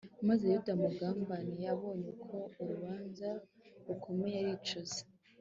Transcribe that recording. maze yuda wamugambaniye abonye ko urubanza rukomeye aricuza